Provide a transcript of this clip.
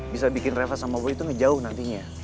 bisa bikin reva sama boy itu ngejauh nantinya